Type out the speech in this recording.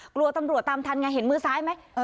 กลัวตำรวจตามทันไงเห็นมือซ้ายไหม